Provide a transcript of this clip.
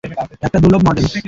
একটা দুর্লভ মডেল।